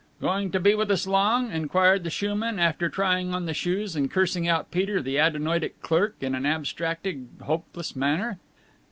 "Going to be with us long?" inquired the shoeman, after trying on the shoes and cursing out Peter, the adenoidic clerk, in an abstracted, hopeless manner.